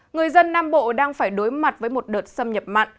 người dân nam bộ đang phải đối mặt với một đợt xâm nhập mặn